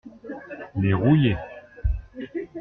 Les rouillés.